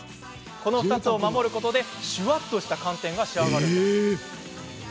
この２つを守ることでシュワっとした寒天が仕上がるんです。